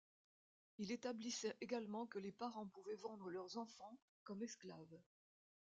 Il établissait également que les parents pouvaient vendre leurs enfants comme esclaves.